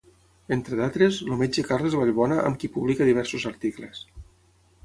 Entre d'altres, el metge Carles Vallbona amb qui publica diversos articles.